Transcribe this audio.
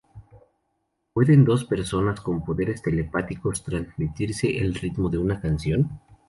¿pueden dos personas con poderes telepáticos transmitirse el ritmo de una canción?